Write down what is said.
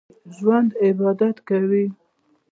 ژوندي عبادت کوي